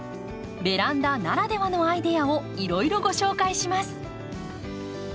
ベランダならではのアイデアをいろいろご紹介します。